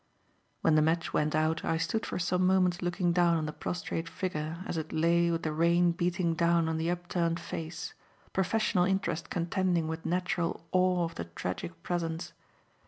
When the match went out, I stood for some moments looking down on the prostrate figure as it lay with the rain beating down on the upturned face, professional interest contending with natural awe of the tragic presence.